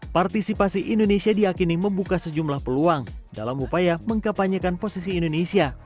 partisipasi indonesia diakini membuka sejumlah peluang dalam upaya mengkapanyekan posisi indonesia